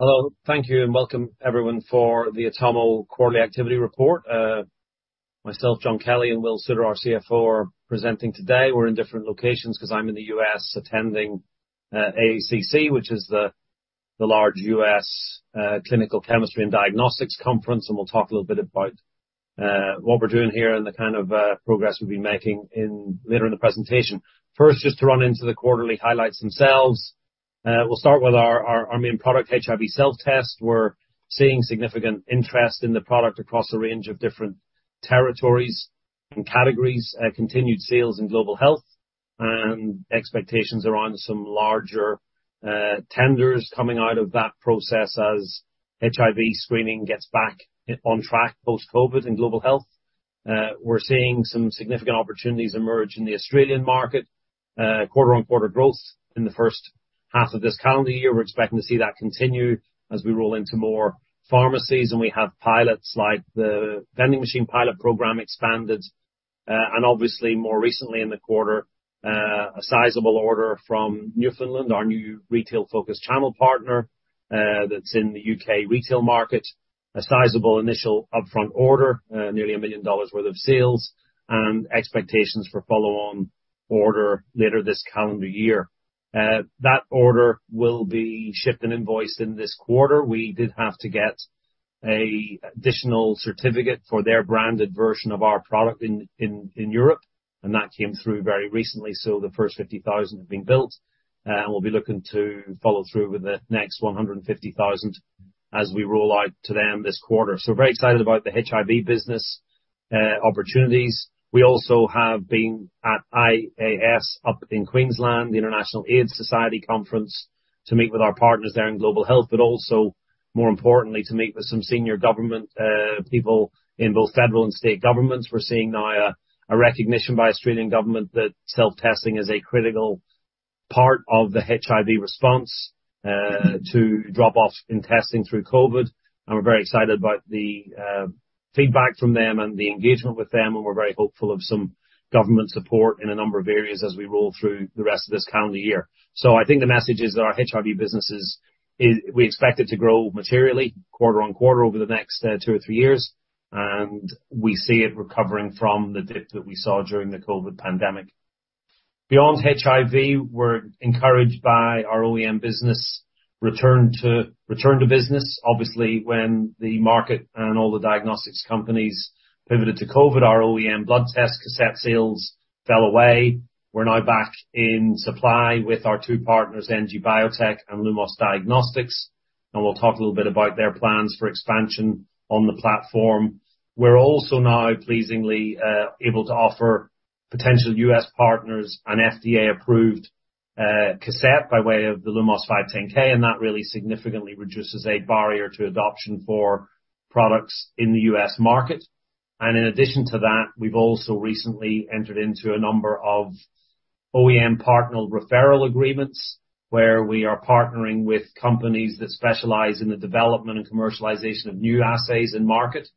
Hello. Thank you, and welcome everyone for the Atomo quarterly activity report. Myself, John Kelly, and Will Souter, our CFO, are presenting today. We're in different locations, 'cause I'm in the US attending AACC which is the large US clinical chemistry and diagnostics conference, and we'll talk a little bit about what we're doing here and the progress we've been making later in the presentation. First, just to run into the quarterly highlights themselves, we'll start with our main product, HIV Self Test. We're seeing significant interest in the product across a range of different territories and categories, continued sales in global health, and expectations around some larger tenders coming out of that process as HIV screening gets back on track post-COVID in global health. We're seeing some significant opportunities emerge in the Australian market, quarter-on-quarter growth in the first half of this calendar year. We're expecting to see that continue as we roll into more pharmacies, and we have pilots, like the vending machine pilot program expanded, and obviously, more recently in the quarter, a sizable order from Newfoundland, our new retail-focused channel partner, that's in the U.K. retail market. A sizable initial upfront order, nearly a million dollar worth of sales, and expectations for follow-on order later this calendar year. That order will be shipped and invoiced in this quarter. We did have to get a additional certificate for their branded version of our product in Europe, and that came through very recently. The first 50,000 have been built, and we'll be looking to follow through with the next 150,000 as we roll out to them this quarter. Very excited about the HIV business opportunities. We also have been at IAS up in Queensland, the International AIDS Society Conference, to meet with our partners there in global health, but also, more importantly, to meet with some senior government people in both federal and state governments. We're seeing now a recognition by Australian government that self-testing is a critical part of the HIV response, to drop-offs in testing through COVID, and we're very excited about the feedback from them and the engagement with them, and we're very hopeful of some government support in a number of areas as we roll through the rest of this calendar year. I think the message is that our HIV business is, we expect it to grow materially, quarter-on-quarter over the next two or three years, and we see it recovering from the dip that we saw during the COVID pandemic. Beyond HIV, we're encouraged by our OEM business return to business. Obviously, when the market and all the diagnostics companies pivoted to COVID, our OEM blood test cassette sales fell away. We're now back in supply with our two partners, NG Biotech and Lumos Diagnostics. We'll talk a little bit about their plans for expansion on the platform. We're also now pleasingly able to offer potential US partners an FDA-approved cassette by way of the Lumos 510(k). That really significantly reduces a barrier to adoption for products in the US market. In addition to that, we've also recently entered into a number of OEM partner referral agreements, where we are partnering with companies that specialize in the development and commercialization of new assays in market.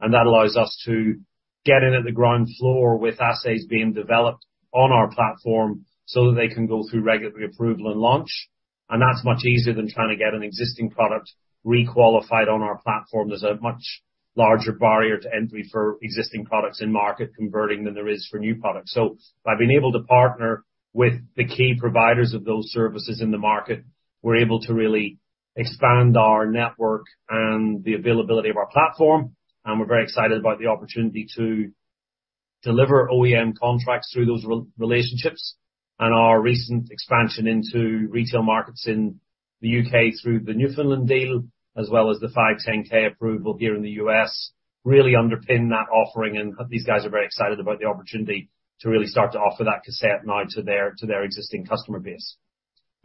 That allows us to get in at the ground floor with assays being developed on our platform, so that they can go through regulatory approval and launch. That's much easier than trying to get an existing product re-qualified on our platform. There's a much larger barrier to entry for existing products in market converting than there is for new products. By being able to partner with the key providers of those services in the market, we're able to really expand our network and the availability of our platform, and we're very excited about the opportunity to deliver OEM contracts through those relationships. Our recent expansion into retail markets in the U.K. through the Newfoundland deal, as well as the 510(k) approval here in the U.S., really underpin that offering, and these guys are very excited about the opportunity to really start to offer that cassette now to their existing customer base.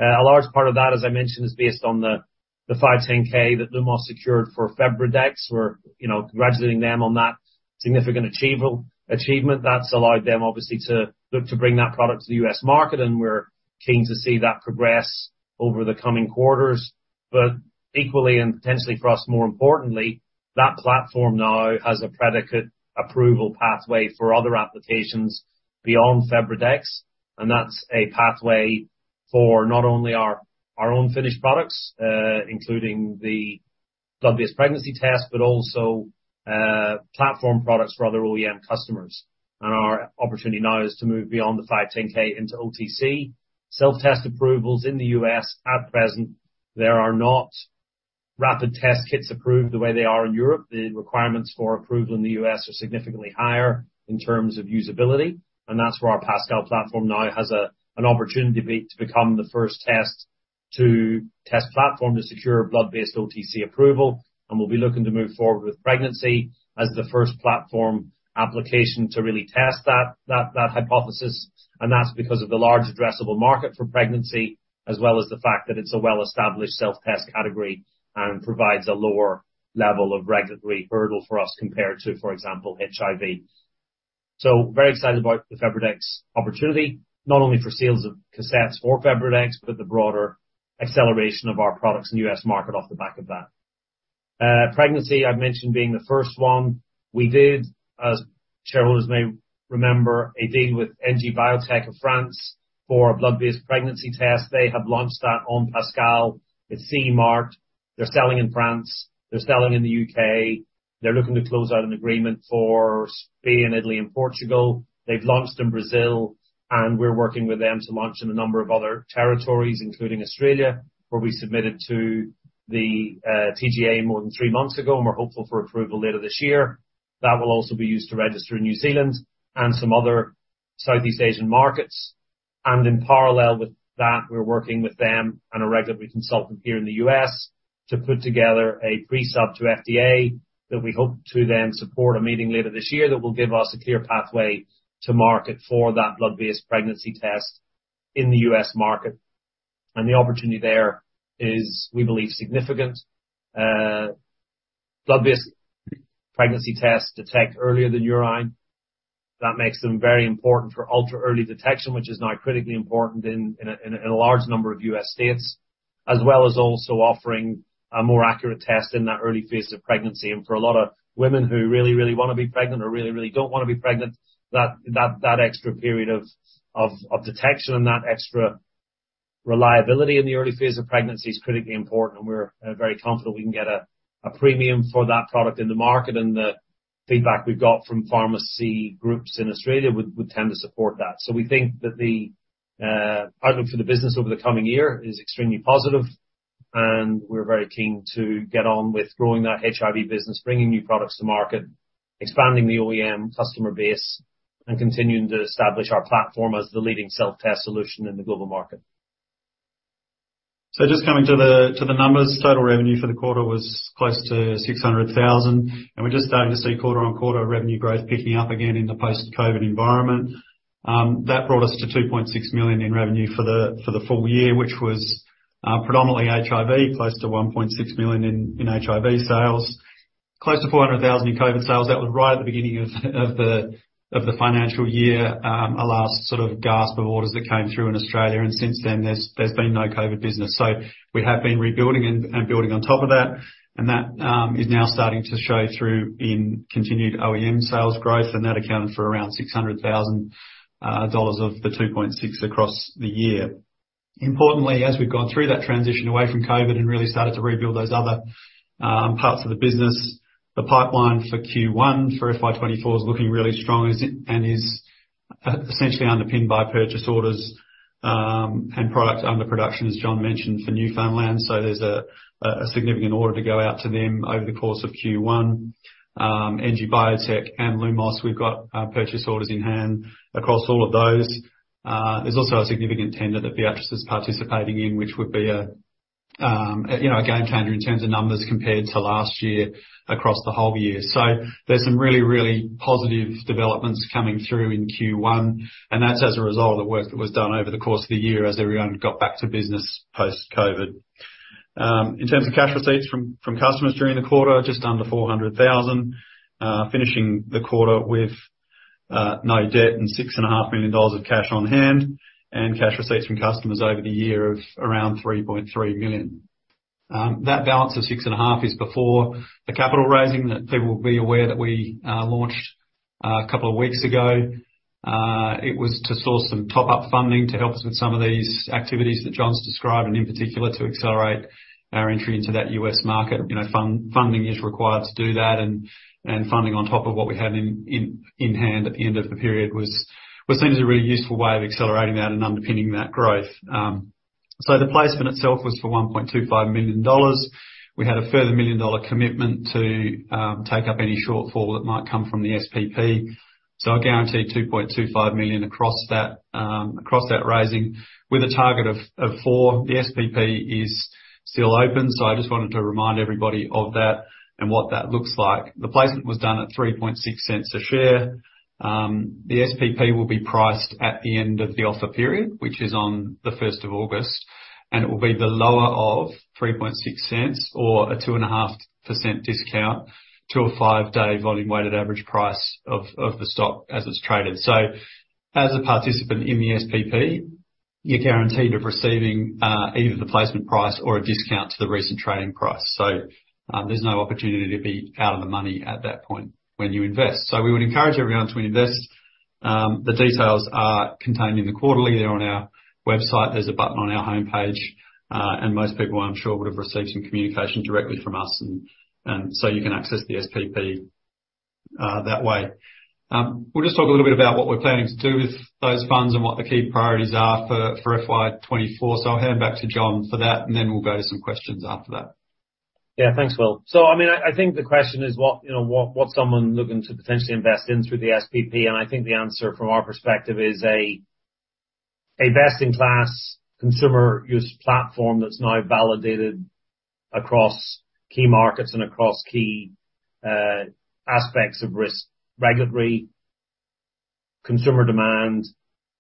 A large part of that, as I mentioned, is based on the 510(k) that Lumos secured for FebriDx. we're congratulating them on that significant achievement. That's allowed them, obviously, to look to bring that product to the U.S. market, and we're keen to see that progress over the coming quarters. Equally and potentially for us, more importantly, that platform now has a predicate approval pathway for other applications beyond FebriDx, and that's a pathway for not only our own finished products, including the blood-based pregnancy test, but also, platform products for other OEM customers. Our opportunity now is to move beyond the 510(k) into OTC. Self-test approvals in the U.S. at present, there are not rapid test kits approved the way they are in Europe. The requirements for approval in the U.S. are significantly higher in terms of usability, and that's where our Pascal platform now has an opportunity to be, to become the first test platform to secure blood-based OTC approval. We'll be looking to move forward with pregnancy as the first platform application to really test that hypothesis, and that's because of the large addressable market for pregnancy, as well as the fact that it's a well-established self-test category and provides a lower level of regulatory hurdle for us, compared to, for example, HIV. Very excited about the FebriDx opportunity, not only for sales of cassettes for FebriDx, but the broader acceleration of our products in the US market off the back of that. Pregnancy, I've mentioned being the first one. We did, as shareholders may remember, a deal with NG Biotech of France for a blood-based pregnancy test. They have launched that on Pascal, with CE Mark. They're selling in France, they're selling in the UK, they're looking to close out an agreement for Spain, Italy, and Portugal. They've launched in Brazil. We're working with them to launch in a number of other territories, including Australia, where we submitted to the TGA more than three months ago, and we're hopeful for approval later this year. That will also be used to register in New Zealand and some other Southeast Asian markets. In parallel with that, we're working with them, and a regulatory consultant here in the U.S., to put together a pre-sub to FDA, that we hope to then support a meeting later this year, that will give us a clear pathway to market for that blood-based pregnancy test in the U.S. market. The opportunity there is, we believe, significant. Blood-based pregnancy tests detect earlier than urine. That makes them very important for ultra early detection, which is now critically important in a large number of U.S. states, as well as also offering a more accurate test in that early phase of pregnancy. For a lot of women who really, really want to be pregnant, or really, really don't want to be pregnant, that extra period of detection, and that extra reliability in the early phase of pregnancy, is critically important, and we're very confident we can get a premium for that product in the market. The feedback we've got from pharmacy groups in Australia would tend to support that. We think that the outlook for the business over the coming year is extremely positive, and we're very keen to get on with growing that HIV business, bringing new products to market, expanding the OEM customer base, and continuing to establish our platform as the leading self-test solution in the global market. Just coming to the numbers. Total revenue for the quarter was close to 600,000, and we're just starting to see quarter-on-quarter revenue growth picking up again in the post-COVID environment. That brought us to 2.6 million in revenue for the full year, which was predominantly HIV, close to 1.6 million in HIV sales. Close to 400,000 in COVID sales. That was right at the beginning of the financial year, a last gasp of orders that came through in Australia, and since then, there's been no COVID business. We have been rebuilding and building on top of that, and that is now starting to show through in continued OEM sales growth, and that accounted for around $600,000 of the $2.6 across the year. Importantly, as we've gone through that transition away from COVID, and really started to rebuild those other parts of the business, the pipeline for Q1 for FY24 is looking really strong, and is essentially underpinned by purchase orders and product under production, as John mentioned, for Newfoundland. There's a significant order to go out to them over the course of Q1. NG Biotech and Lumos, we've got purchase orders in hand across all of those. There's also a significant tender that Viatris is participating in, which would be a a game changer in terms of numbers compared to last year, across the whole year. There's some really, really positive developments coming through in Q1, and that's as a result of the work that was done over the course of the year, as everyone got back to business post-COVID. In terms of cash receipts from customers during the quarter, just under 400,000, finishing the quarter with no debt and 6.5 million dollars of cash on hand, and cash receipts from customers over the year of around 3.3 million. That balance of 6.5 million is before the capital raising, that people will be aware that we launched a couple of weeks ago. It was to source some top-up funding to help us with some of these activities that John's described, and in particular, to accelerate our entry into that U.S. market. You know, funding is required to do that, and funding on top of what we had in hand at the end of the period was, what seems a really useful way of accelerating that and underpinning that growth. The placement itself was for 1.25 million dollars. We had a further 1 million dollar commitment to take up any shortfall that might come from the SPP. I guarantee 2.25 million across that raising, with a target of 4 million. The SPP is still open, so I just wanted to remind everybody of that, and what that looks like. The placement was done at 0.036 a share. The SPP will be priced at the end of the offer period, which is on the 1st of August, and it will be the lower of 0.036 or a 2.5% discount to a 5-day volume weighted average price of the stock as it's traded. As a participant in the SPP, you're guaranteed of receiving either the placement price or a discount to the recent trading price. There's no opportunity to be out of the money at that point when you invest. We would encourage everyone to invest. The details are contained in the quarterly on our website. There's a button on our homepage, and most people, I'm sure, would have received some communication directly from us, and so you can access the SPP that way. We'll just talk a little bit about what we're planning to do with those funds, and what the key priorities are for FY24. I'll hand back to John for that, and then we'll go to some questions after that. Yeah. Thanks, Will. I mean, I think the question is what what's someone looking to potentially invest in through the SPP? I think the answer from our perspective is a best-in-class consumer use platform that's now validated across key markets and across key aspects of risk, regulatory, consumer demand,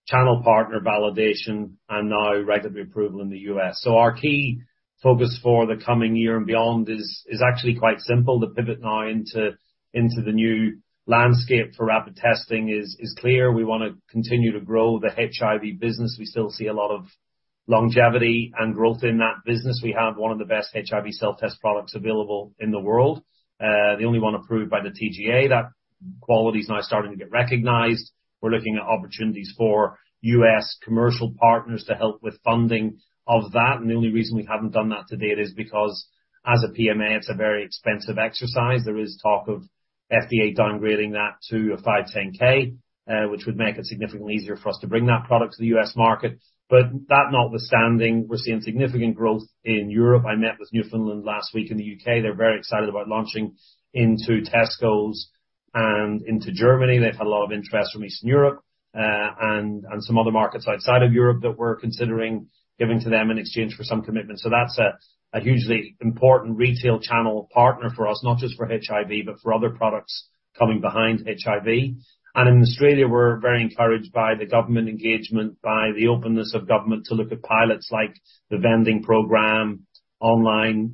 channel partner validation, and now regulatory approval in the U.S. Our key focus for the coming year and beyond is actually quite simple. The pivot now into the new landscape for rapid testing is clear. We wanna continue to grow the HIV business. We still see a lot of longevity and growth in that business. We have one of the best HIV self-test products available in the world, the only one approved by the TGA. That quality is now starting to get recognized. We're looking at opportunities for U.S. commercial partners to help with funding of that, and the only reason we haven't done that to date is because as a PMA, it's a very expensive exercise. There is talk of FDA downgrading that to a 510(k), which would make it significantly easier for us to bring that product to the U.S. market. That notwithstanding, we're seeing significant growth in Europe. I met with Newfoundland last week in the U.K. They're very excited about launching into Tesco and into Germany. They've had a lot of interest from Eastern Europe, and some other markets outside of Europe that we're considering giving to them in exchange for some commitment. That's a hugely important retail channel partner for us, not just for HIV, but for other products coming behind HIV. In Australia, we're very encouraged by the government engagement, by the openness of government to look at pilots like the vending program, online,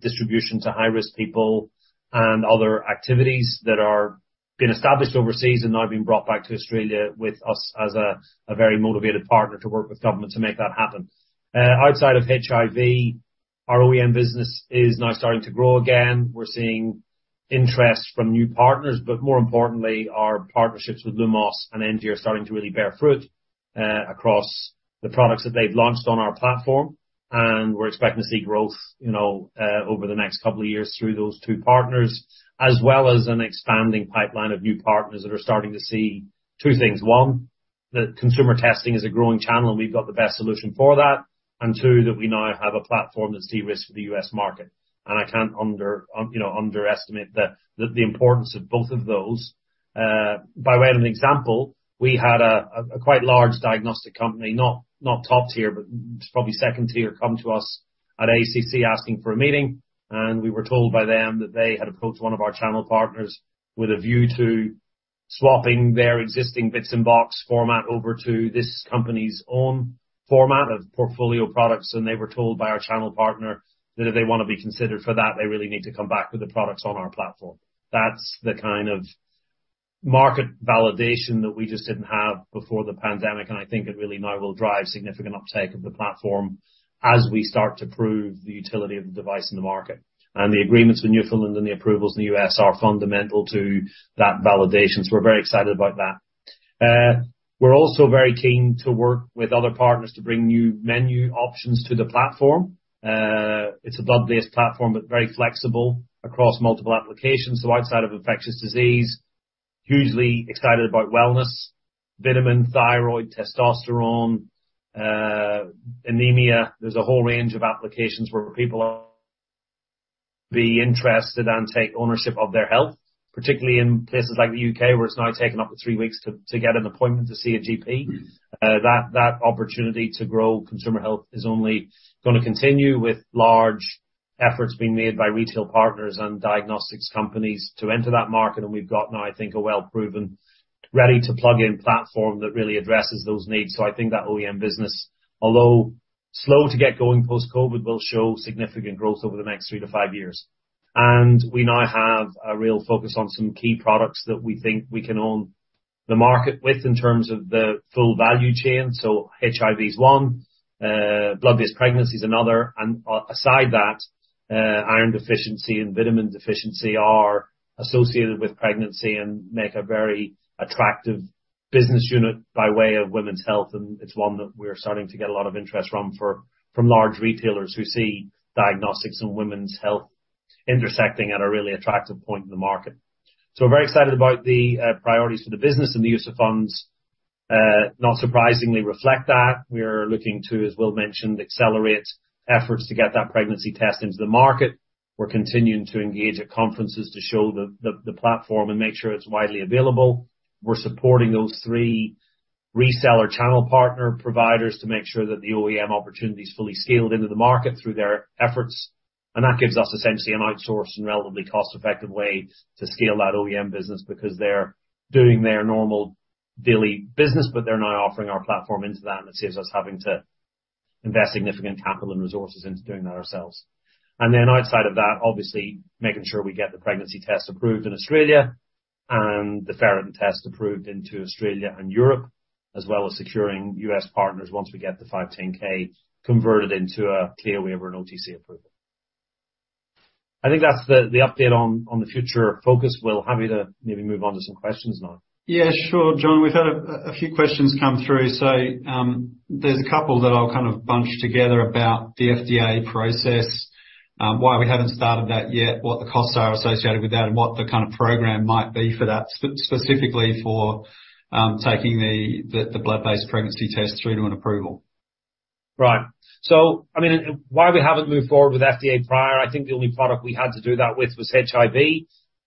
distribution to high-risk people, and other activities that are being established overseas and now being brought back to Australia with us as a very motivated partner to work with government to make that happen. Outside of HIV, our OEM business is now starting to grow again. We're seeing interest from new partners, more importantly, our partnerships with Lumos and Engie are starting to really bear fruit, across the products that they've launched on our platform. We're expecting to see growth over the next couple of years through those 2 partners, as well as an expanding pipeline of new partners that are starting to see 2 things: 1, that consumer testing is a growing channel, and we've got the best solution for that, and 2, that we now have a platform that sees risk for the U.S. market. I can't underestimate the, the importance of both of those. By way of an example, we had a quite large diagnostic company, not top tier, but probably second tier, come to us at AACC asking for a meeting. We were told by them that they had approached one of our channel partners with a view to swapping their existing bits and box format over to this company's own format of portfolio products, and they were told by our channel partner that if they wanna be considered for that, they really need to come back with the products on our platform. That's the market validation that we just didn't have before the pandemic. I think it really now will drive significant uptake of the platform as we start to prove the utility of the device in the market. The agreements with Newfoundland Diagnostics and the approvals in the U.S. are fundamental to that validation, so we're very excited about that. We're also very keen to work with other partners to bring new menu options to the platform. It's a blood-based platform, but very flexible across multiple applications. Outside of infectious disease, hugely excited about wellness, vitamin, thyroid, testosterone, anemia. There's a whole range of applications where people be interested and take ownership of their health, particularly in places like the U.K., where it's now taking up to 3 weeks to get an appointment to see a GP. That opportunity to grow consumer health is only gonna continue with large efforts being made by retail partners and diagnostics companies to enter that market, and we've got now, I think, a well-proven, ready-to-plug-in platform that really addresses those needs. I think that OEM business, although slow to get going post-COVID, will show significant growth over the next three to five years. We now have a real focus on some key products that we think we can own the market with in terms of the full value chain. HIV is one, blood-based pregnancy is another, and aside that, iron deficiency and vitamin deficiency are associated with pregnancy and make a very attractive business unit by way of women's health, and it's one that we're starting to get a lot of interest from large retailers who see diagnostics and women's health intersecting at a really attractive point in the market. We're very excited about the priorities for the business and the use of funds, not surprisingly, reflect that. We are looking to, as Will mentioned, accelerate efforts to get that pregnancy test into the market. We're continuing to engage at conferences to show the platform and make sure it's widely available. We're supporting those 3 reseller channel partner providers to make sure that the OEM opportunity is fully scaled into the market through their efforts. That gives us essentially an outsourced and relatively cost-effective way to scale that OEM business, because they're doing their normal daily business, but they're now offering our platform into that. It saves us having to invest significant capital and resources into doing that ourselves. Outside of that, obviously, making sure we get the pregnancy test approved in Australia and the ferritin test approved into Australia and Europe, as well as securing U.S. partners once we get the 510(k) converted into a CLIA waiver and OTC approval. I think that's the update on the future focus. Will, happy to maybe move on to some questions now. Yeah, sure, John. We've had a few questions come through. There's a couple that I'll bunch together about the FDA process, why we haven't started that yet, what the costs are associated with that, and what the program might be for that, specifically for taking the blood-based pregnancy test through to an approval. Right. I mean, why we haven't moved forward with FDA prior? I think the only product we had to do that with was HIV.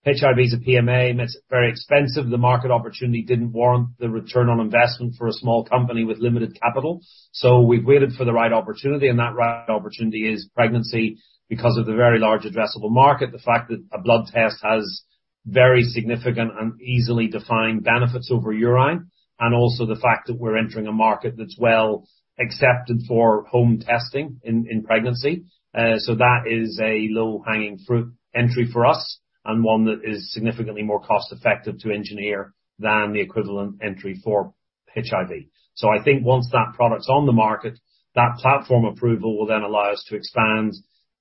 HIV is a PMA, and it's very expensive. The market opportunity didn't warrant the return on investment for a small company with limited capital. We've waited for the right opportunity, and that right opportunity is pregnancy, because of the very large addressable market, the fact that a blood test has very significant and easily defined benefits over urine, and also the fact that we're entering a market that's well accepted for home testing in pregnancy. That is a low-hanging fruit entry for us and one that is significantly more cost-effective to engineer than the equivalent entry for HIV. I think once that product's on the market, that platform approval will then allow us to expand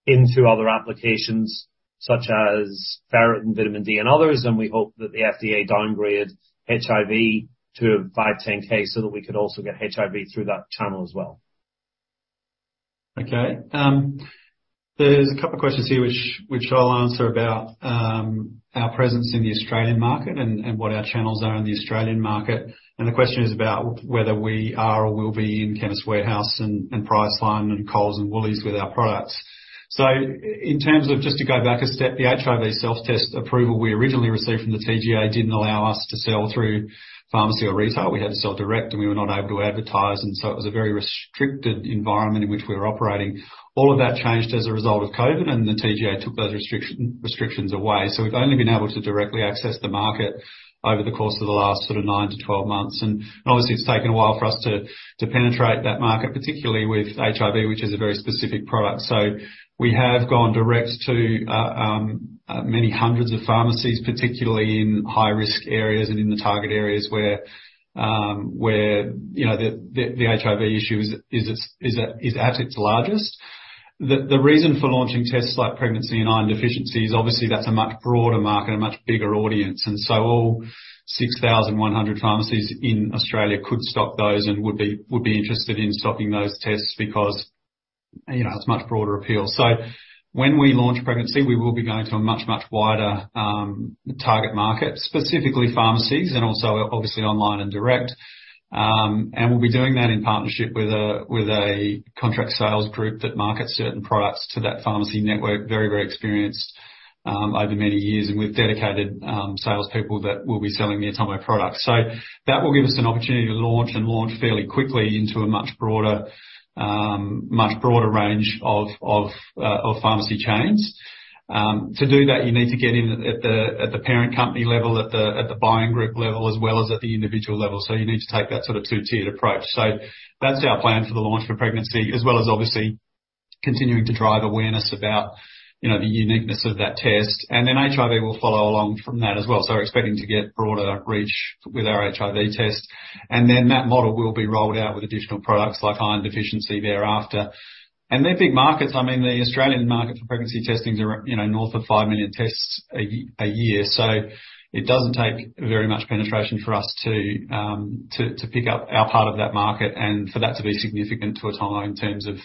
into other applications.... such as ferritin and vitamin D and others. We hope that the FDA downgrade HIV to a 510(k). We could also get HIV through that channel as well. Okay. There's a couple of questions here, which I'll answer about our presence in the Australian market and what our channels are in the Australian market. The question is about whether we are or will be in Chemist Warehouse, Priceline, Coles, and Woolies with our products. Just to go back a step, the HIV Self Test approval we originally received from the TGA didn't allow us to sell through pharmacy or retail. We had to sell direct, we were not able to advertise, it was a very restricted environment in which we were operating. All of that changed as a result of COVID, the TGA took those restrictions away. We've only been able to directly access the market over the course of the last 9 to 12 months, and obviously, it's taken a while for us to penetrate that market, particularly with HIV, which is a very specific product. We have gone direct to many hundreds of pharmacies, particularly in high-risk areas and in the target areas where the HIV issue is at its largest. The reason for launching tests like pregnancy and iron deficiency is obviously that's a much broader market, a much bigger audience, and so all 6,100 pharmacies in Australia could stock those and would be interested in stocking those tests because it's much broader appeal. When we launch pregnancy, we will be going to a much, much wider target market, specifically pharmacies and also obviously online and direct. We'll be doing that in partnership with a contract sales group that markets certain products to that pharmacy network. Very, very experienced over many years, and with dedicated salespeople that will be selling the Atomo products. That will give us an opportunity to launch fairly quickly into a much broader range of pharmacy chains. To do that, you need to get in at the parent company level, at the buying group level, as well as at the individual level. You need to take that two-tiered approach. That's our plan for the launch for pregnancy, as well as obviously continuing to drive awareness about the uniqueness of that test. HIV will follow along from that as well. We're expecting to get broader reach with our HIV test, and then that model will be rolled out with additional products like iron deficiency thereafter. They're big markets. I mean, the Australian market for pregnancy testing is around north of 5 million tests a year. It doesn't take very much penetration for us to pick up our part of that market, and for that to be significant to Atomo in terms of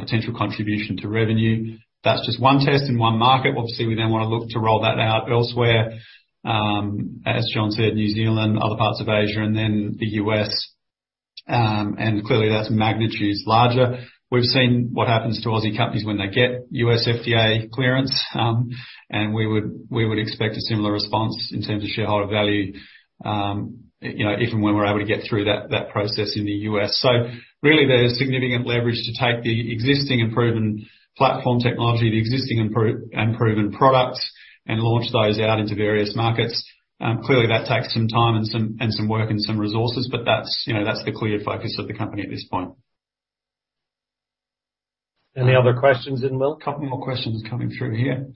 potential contribution to revenue. That's just one test in one market. We then wanna look to roll that out elsewhere. As John said, New Zealand, other parts of Asia and then the U.S., clearly that's magnitudes larger. We've seen what happens to Aussie companies when they get U.S. FDA clearance, we would expect a similar response in terms of shareholder value if and when we're able to get through that process in the U.S. Really, there's significant leverage to take the existing and proven platform technology, the existing and proven products, and launch those out into various markets. Clearly, that takes some time and some work and some resources, but that's that's the clear focus of the company at this point. Any other questions in, Will? A couple more questions coming through here.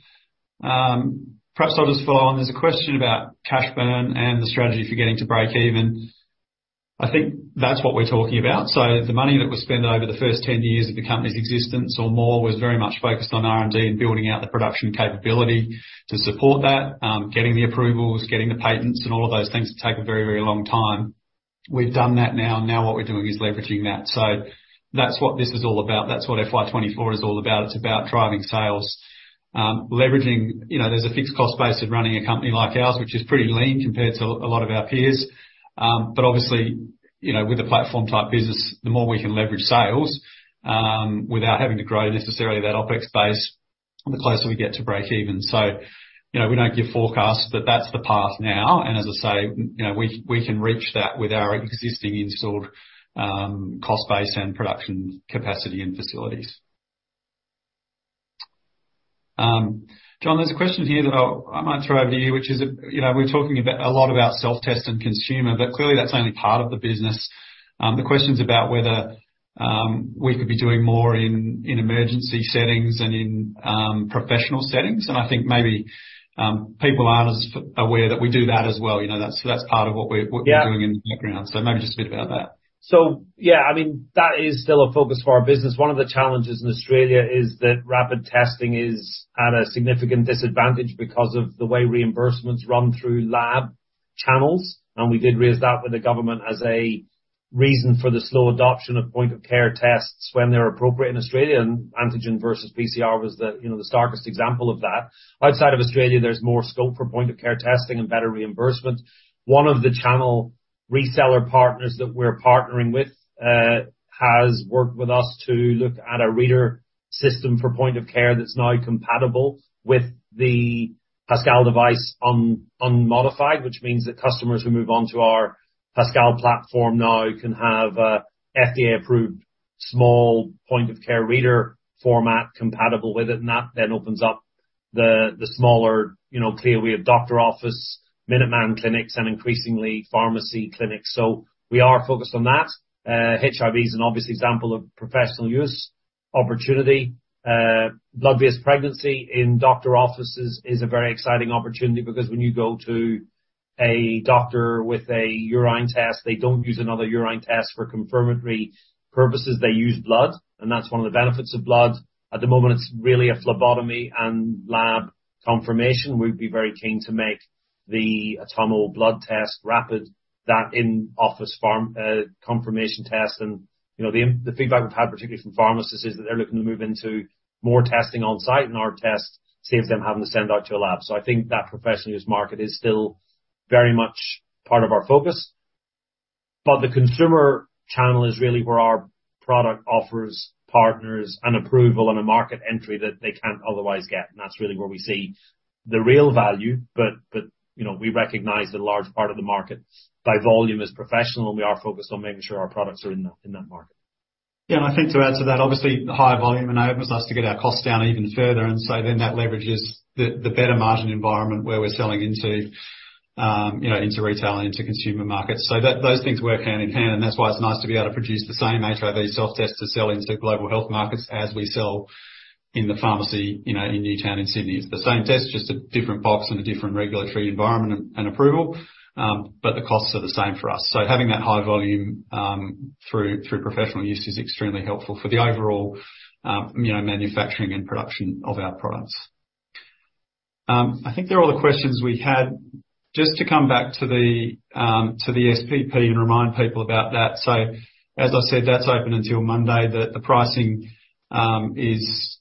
Perhaps I'll just follow on. There's a question about cash burn and the strategy for getting to breakeven. I think that's what we're talking about. The money that was spent over the first 10 years of the company's existence or more, was very much focused on R&D and building out the production capability to support that, getting the approvals, getting the patents, and all of those things that take a very, very long time. We've done that now what we're doing is leveraging that. That's what this is all about. That's what FY24 is all about. It's about driving sales, leveraging. There's a fixed cost base of running a company like ours, which is pretty lean compared to a lot of our peers. obviously with a platform-type business, the more we can leverage sales, without having to grow necessarily that OpEx base, the closer we get to breakeven. You know, we don't give forecasts, but that's the path now. As I say we can reach that with our existing installed cost base and production capacity and facilities. John, there's a question here that I might throw over to you, which is. You know, we're talking about, a lot about self-test and consumer, but clearly, that's only part of the business. The question's about whether we could be doing more in emergency settings and in professional settings. I think maybe people aren't as aware that we do that as well. You know, that's part of what we're. Yeah what we're doing in the background. Maybe just a bit about that. Yeah, I mean, that is still a focus for our business. One of the challenges in Australia is that rapid testing is at a significant disadvantage because of the way reimbursements run through lab channels, and we did raise that with the government as a reason for the slow adoption of point-of-care tests when they're appropriate in Australia, and antigen versus PCR was the the starkest example of that. Outside of Australia, there's more scope for point-of-care testing and better reimbursement. One of the channel reseller partners that we're partnering with, has worked with us to look at a reader system for point of care, that's now compatible with the Pascal device unmodified, which means that customers who move on to our Pascal platform now can have a FDA-approved, small point-of-care reader format compatible with it, and that then opens up the smaller clear way of doctor office, MinuteClinic, and increasingly pharmacy clinics. We are focused on that. HIV is an obvious example of professional use opportunity. Blood-based pregnancy in doctor offices is a very exciting opportunity because when you go to a doctor with a urine test, they don't use another urine test for confirmatory purposes. They use blood, and that's one of the benefits of blood. At the moment, it's really a phlebotomy and lab confirmation. We'd be very keen to make the Atomo blood test rapid, that in-office pharm confirmation test. You know, the feedback we've had, particularly from pharmacists, is that they're looking to move into more testing on site, and our test saves them having to send out to a lab. I think that professional use market is still very much part of our focus. The consumer channel is really where our product offers partners an approval and a market entry that they can't otherwise get, and that's really where we see the real value. You know, we recognize that a large part of the market by volume is professional, and we are focused on making sure our products are in that, in that market. Yeah, I think to add to that, obviously, the higher volume enables us to get our costs down even further, that leverages the better margin environment where we're selling into into retail and into consumer markets. That, those things work hand in hand, and that's why it's nice to be able to produce the same HIV Self Test to sell into global health markets as we sell in the pharmacy in Newtown and Sydney. It's the same test, just a different box and a different regulatory environment and approval, the costs are the same for us. Having that high volume, through professional use is extremely helpful for the overall manufacturing and production of our products. I think they're all the questions we had. Just to come back to the SPP and remind people about that. As I said, that's open until Monday, the pricing is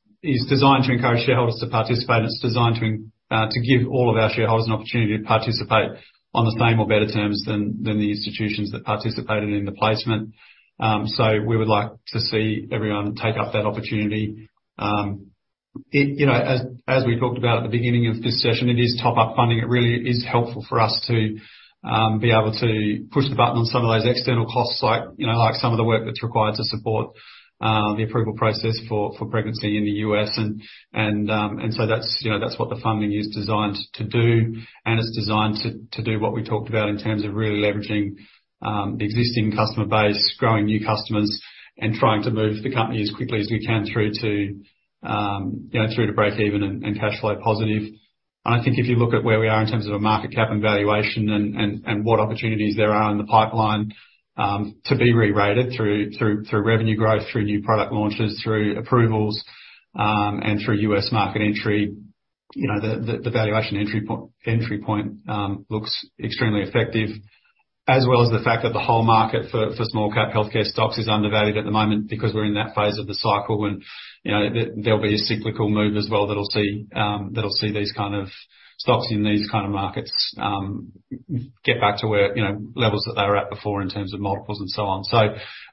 designed to encourage shareholders to participate, and it's designed to give all of our shareholders an opportunity to participate on the same or better terms than the institutions that participated in the placement. We would like to see everyone take up that opportunity. You know, as we talked about at the beginning of this session, it is top-up funding. It really is helpful for us to be able to push the button on some of those external costs, like some of the work that's required to support the approval process for pregnancy in the US. that's that's what the funding is designed to do. It's designed to do what we talked about in terms of really leveraging the existing customer base, growing new customers, and trying to move the company as quickly as we can through to through to breakeven and cash flow positive. I think if you look at where we are in terms of a market cap and valuation, and what opportunities there are in the pipeline, to be rerated through revenue growth, through new product launches, through approvals, and through U.S. market entry the valuation entry point looks extremely effective. The fact that the whole market for small cap healthcare stocks is undervalued at the moment, because we're in that phase of the cycle. You know, there'll be a cyclical move as well that'll see these stocks in these markets get back to where levels that they were at before in terms of multiples and so on.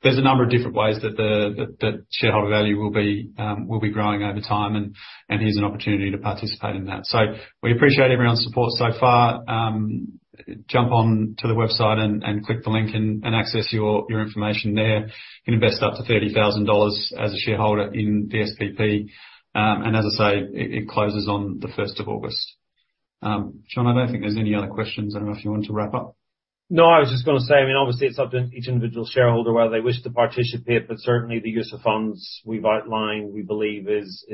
There's a number of different ways that the shareholder value will be growing over time, and here's an opportunity to participate in that. We appreciate everyone's support so far. Jump on to the website and click the link, and access your information there. You can invest up to 30,000 dollars as a shareholder in the SPP. As I say, it closes on the 1st of August. John I don't think there's any other questions. I don't know if you want to wrap up? No, I was just gonna say, I mean, obviously, it's up to each individual shareholder, whether they wish to participate, but certainly the use of funds we've outlined, we believe is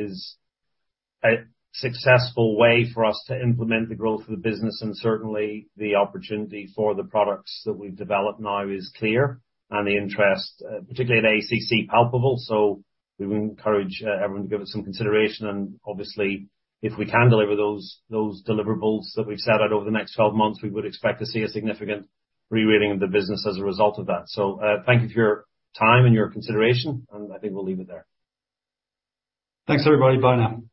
a successful way for us to implement the growth of the business, and certainly the opportunity for the products that we've developed now is clear, and the interest, particularly in AACC, palpable. We would encourage everyone to give it some consideration, and obviously, if we can deliver those deliverables that we've set out over the next 12 months, we would expect to see a significant re-rating of the business as a result of that. Thank you for your time and your consideration, and I think we'll leave it there. Thanks, everybody. Bye now.